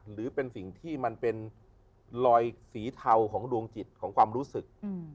หรือเป็นสิ่งที่มันเป็นรอยสีเทาของดวงจิตของความรู้สึก